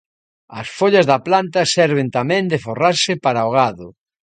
As follas da planta serven tamén de forraxe para o gado.